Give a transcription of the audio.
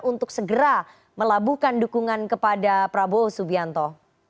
untuk segera melabuhkan dukungan kepada prabowo subianto